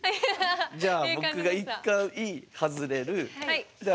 じゃあ僕が１回外れる。